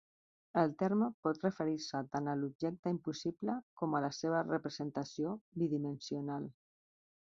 El terme pot referir-se tant a l'objecte impossible com a la seva representació bidimensional.